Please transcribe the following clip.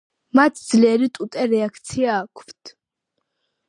მათ ძლიერი ტუტე რეაქცია აქვთ.